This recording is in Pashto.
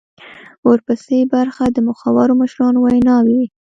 ورپسې برخه د مخورو مشرانو ویناوي وې.